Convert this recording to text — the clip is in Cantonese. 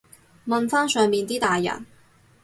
問返上面啲大人